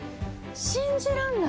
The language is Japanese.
信じられない。